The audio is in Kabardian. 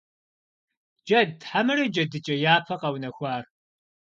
Джэд хьэмэрэ джэдыкӀэ япэ къэунэхуар?